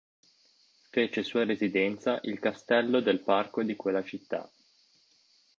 Fece sua residenza il castello del Parco di quella città.